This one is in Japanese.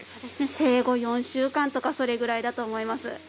生後４週間とかそれくらいだと思います。